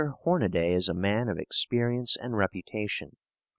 Hornaday is a man of experience and reputation.